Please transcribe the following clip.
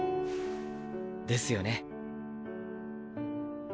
ですよね？